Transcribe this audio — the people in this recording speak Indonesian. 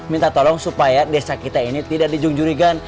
minta tolong supaya desa kita ini tidak dijungjuri kan